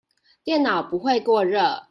電腦不會過熱